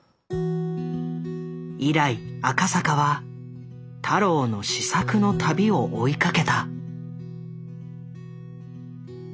以来赤坂は太郎の思索の旅を追いかけた。